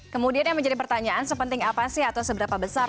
kemudian yang menjadi pertanyaan sepenting apa sih atau seberapa besar